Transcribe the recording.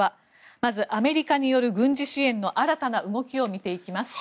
まず、アメリカによる軍事支援の新たな動きを見ていきます。